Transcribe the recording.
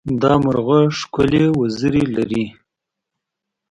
دا مرغه ښکلې وزرې لري.